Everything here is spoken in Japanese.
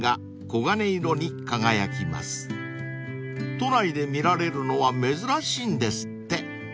［都内で見られるのは珍しいんですって］